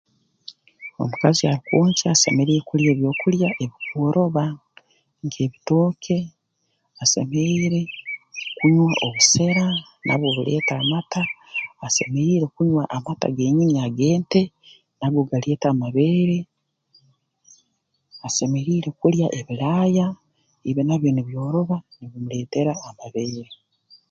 Omukazi arukwonkya asemeriire kulya ebyokulya ebirukworoba nk'ebitooke asemeriire kunywa obusera nabwo buleeta amata asemeriire kunywa amata g'enyini ag'ente nago galeeta amabeere asemeriire kulya ebilaaya ebi nabyo nibyoroba nibimuleetera amabeere